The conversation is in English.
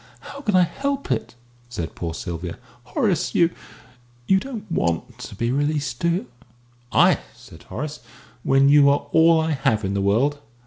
"How can I help it?" said poor Sylvia. "Horace, you you don't want to be released, do you?" "I?" said Horace, "when you are all I have in the world!